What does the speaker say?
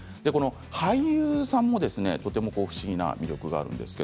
俳優さんも不思議な魅力があります。